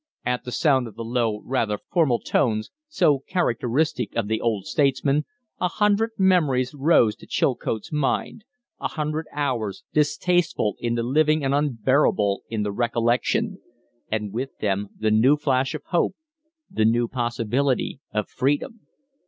At the sound of the low, rather formal tones, so characteristic of the old statesman, a hundred memories rose to Chilcote's mind, a hundred hours, distasteful in the living and unbearable in the recollection; and with them the new flash of hope, the new possibility of freedom.